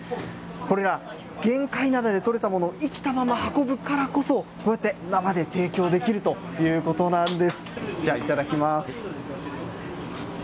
これら、玄界灘で取れたものを生きたまま運ぶからこそ、こうやって生で提供できるということなんです。